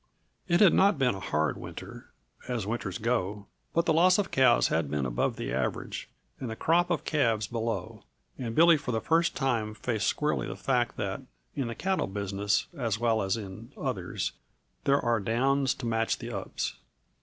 It had not been a hard winter, as winters go, but the loss of cows had been above the average and the crop of calves below, and Billy for the first time faced squarely the fact that, in the cattle business as well as in others, there are downs to match the ups.